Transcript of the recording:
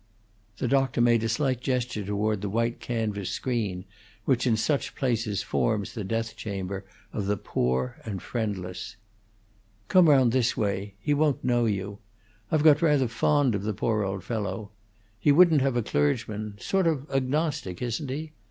The doctor made a slight gesture toward the white canvas screen which in such places forms the death chamber of the poor and friendless. "Come round this way he won't know you! I've got rather fond of the poor old fellow. He wouldn't have a clergyman sort of agnostic, isn't he?